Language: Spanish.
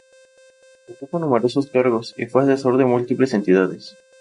Ocupó numerosos cargos y fue asesor de múltiples entidades.